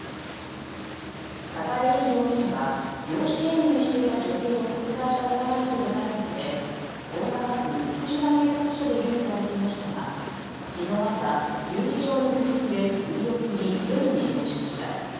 高井凜容疑者は養子縁組していた女性を殺害した疑いなどで逮捕され大阪府福島警察署で留置されていましたが昨日朝、留置場の居室で首をつり夜に死亡しました。